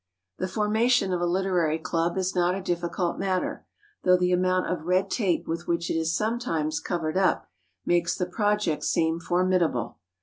The formation of a literary club is not a difficult matter, though the amount of red tape with which it is sometimes covered up makes the project seem formidable.